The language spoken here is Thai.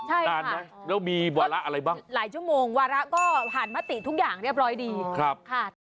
นานไหมแล้วมีวาระอะไรบ้างหลายชั่วโมงวาระก็ผ่านมติทุกอย่างเรียบร้อยดีค่ะ